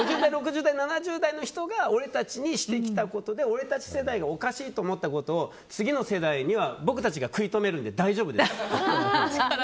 ５０代、６０代、７０代の人が俺たちにしてきたことで俺たち世代がおかしいと思ったことを次の世代には、僕たちが食い止めるので大丈夫です。